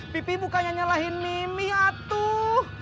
pipi bukannya nyalahin mimi atuh